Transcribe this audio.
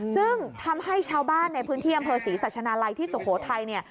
ซึ่งทำให้ชาวบ้านในพื้นที่อำเภอศรีสัชนาลัยที่สุโขทัยเนี่ย